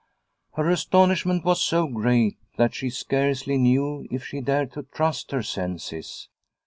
Her astonishment was so great that she scarcely knew if she dared to trust her senses.